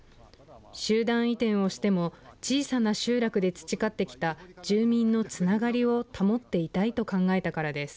集団移転をしても小さな集落で培ってきた住民のつながりを保っていたいと考えたからです。